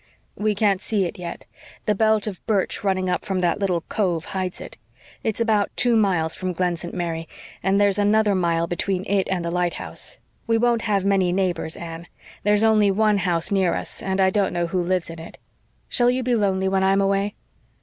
"We can't see it yet the belt of birch running up from that little cove hides it. It's about two miles from Glen St. Mary, and there's another mile between it and the light house. We won't have many neighbors, Anne. There's only one house near us and I don't know who lives in it. Shall you be lonely when I'm away?"